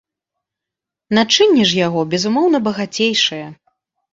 Начынне ж яго, безумоўна, багацейшае.